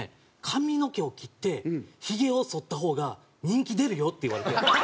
髪の毛を切ってヒゲを剃った方が人気出るよ」って言われて。